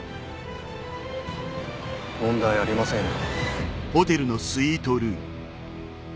問題ありませんよ。